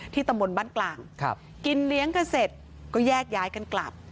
ที่ตำรวจบ้านกลางกินเลี้ยงเกษตรก็แยกย้ายกันกลับ